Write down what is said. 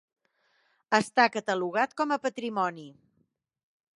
Està catalogat com a patrimoni.